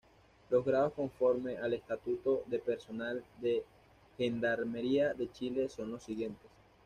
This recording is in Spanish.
Los grados conforme al estatuto de personal de Gendarmería de Chile son los siguientes.